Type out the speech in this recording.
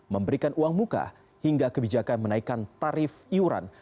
memberikan uang muka hingga kebijakan menaikkan tarif iuran